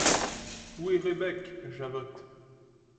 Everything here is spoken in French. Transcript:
Où est Rebec ? JAVOTTE.